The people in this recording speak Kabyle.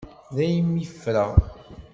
Daymi i ffreɣ.